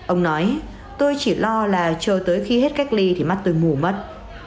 ông nói tôi chỉ lo là chờ tới khi hết cách ly thì mắt tôi mù mất